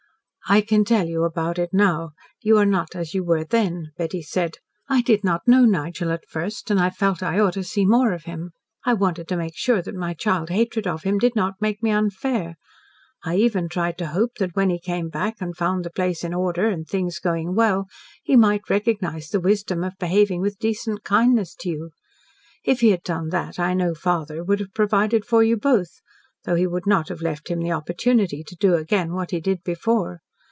"I can tell you about it now. You are not as you were then," Betty said. "I did not know Nigel at first, and I felt I ought to see more of him. I wanted to make sure that my child hatred of him did not make me unfair. I even tried to hope that when he came back and found the place in order and things going well, he might recognise the wisdom of behaving with decent kindness to you. If he had done that I knew father would have provided for you both, though he would not have left him the opportunity to do again what he did before.